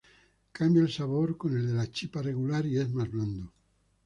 Cambia el sabor con el de la chipa regular y es más blando.